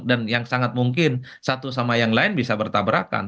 dan yang sangat mungkin satu sama yang lain bisa bertabrakan